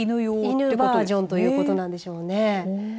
犬バージョンということなんでしょうね。